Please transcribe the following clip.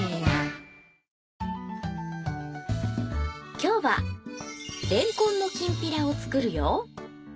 今日はれんこんのきんぴらを作るよ。